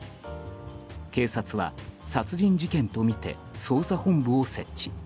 警察は、殺人事件とみて捜査本部を設置。